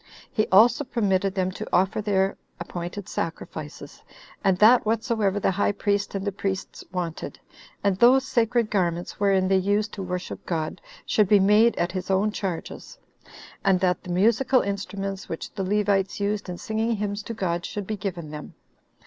He also permitted them to offer their appointed sacrifices, and that whatsoever the high priest and the priests wanted, and those sacred garments wherein they used to worship God, should be made at his own charges; and that the musical instruments which the Levites used in singing hymns to God should be given them.